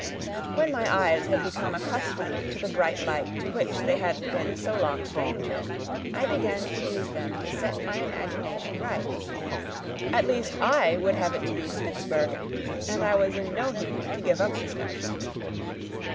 When my eyes had become accustomed to the bright light to which they had been so long strangers, I began to use them to set my imagination right. At least I would have it to be Spitzbergen, and I was in no humour to give up this notion.